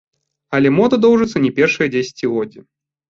Але мода доўжыцца не першае дзесяцігоддзе.